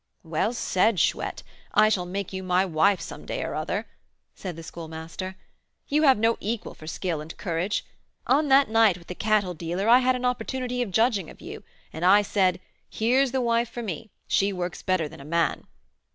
"Well said, Chouette; I shall make you my wife some day or other," said the Schoolmaster; "you have no equal for skill and courage. On that night with the cattle dealer, I had an opportunity of judging of you; and I said, 'Here's the wife for me; she works better than a man.'"